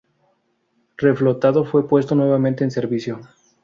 Reflotado fue puesto nuevamente en servicio.